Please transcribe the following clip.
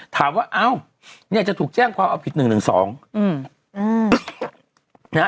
ถามว่าเอ้าเนี่ยจะถูกแจ้งความเอาผิดหนึ่งหนึ่งสอง